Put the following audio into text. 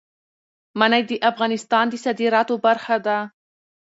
منی د افغانستان د صادراتو برخه ده.